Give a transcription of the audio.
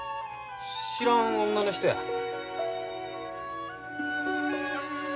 知らん女の人や。